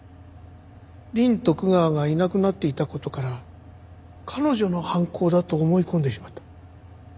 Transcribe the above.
リン・トクガワがいなくなっていた事から彼女の犯行だと思い込んでしまった。